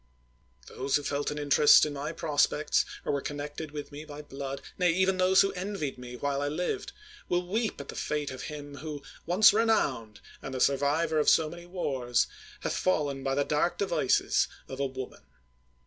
Those who felt an interest in my prospects, or were connected with me by blood — nay, even those who envied me while I lived — will weep at the fate of him who, once renowned, and the survivor of so many wars, hath fallen by the dark devices of a woman.